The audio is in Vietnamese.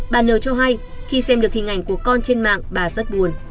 bà nờ cho hay khi xem được hình ảnh của con trên mạng bà rất buồn